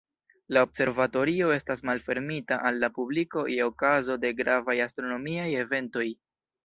La observatorio estas malfermita al la publiko je okazo de gravaj astronomiaj eventoj.